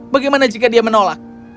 bagaimana jika dia menolak